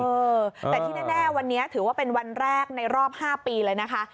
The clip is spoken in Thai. เออแต่ที่แน่วันนี้ถือว่าเป็นวันแรกในรอบ๕ปีเลยนะคะ